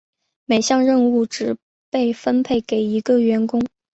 每项任务只被分配给一个员工。